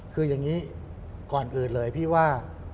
คืออย่างนี้ก่อนอื่นเลยพี่ว่า